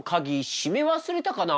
しめ忘れたかな？